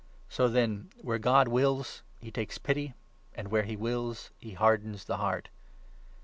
So, then, where God wills, he takes pity, and where he wills, 18 he hardens the heart.